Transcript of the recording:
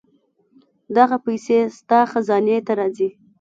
دغه پېسې ستا خزانې ته راځي.